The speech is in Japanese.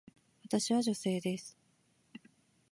私は女性です。